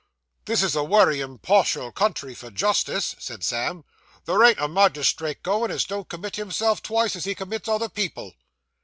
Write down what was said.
'This is a wery impartial country for justice, 'said Sam.' There ain't a magistrate goin' as don't commit himself twice as he commits other people.